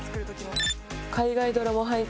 海外ドラマ配給